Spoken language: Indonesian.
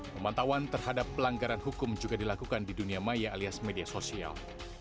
pemantauan terhadap pelanggaran hukum juga dilakukan di dunia maya alias media sosial